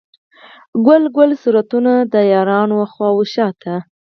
ګل ګل صورتونه، د یارانو و خواو شاته